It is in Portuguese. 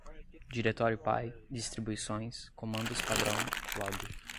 diretório-pai, distribuições, comandos-padrão, log